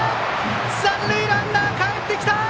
三塁ランナー、かえってきた！